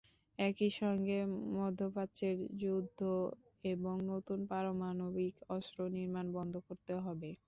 একই সঙ্গে মধ্যপ্রাচ্যের যুদ্ধ এবং নতুন পারমাণবিক অস্ত্র নির্মাণ বন্ধ করতে হবে।